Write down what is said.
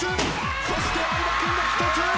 そして相葉君が１つ。